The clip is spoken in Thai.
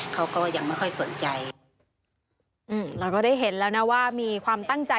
เขาก็ยังไม่ค่อยสนใจอืมเราก็ได้เห็นแล้วนะว่ามีความตั้งใจ